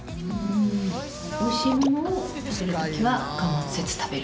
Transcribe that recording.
おいしいものを食べる時は我慢せず食べる。